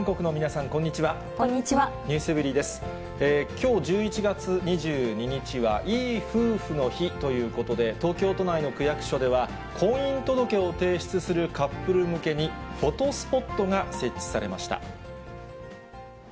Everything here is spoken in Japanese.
きょう１１月２２日はいい夫婦の日ということで、東京都内の区役所では、婚姻届を提出するカップル向けに、フォトスポットが設置されました。